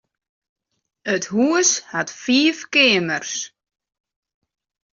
It hús hat fiif keamers.